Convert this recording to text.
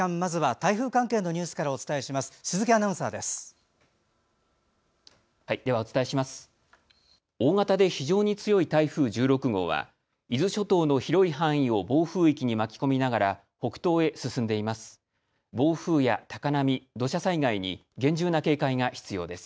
大型で非常に強い台風１６号は伊豆諸島の広い範囲を暴風域に巻き込みながら北東へ進んでいます。